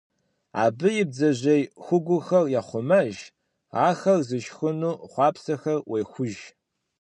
Абы и бдзэжьей хугухэр ехъумэж, ахэр зышхыну хъуапсэхэр Ӏуехуж.